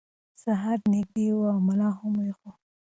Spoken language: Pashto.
سهار نږدې و او ملا هم ویښ و.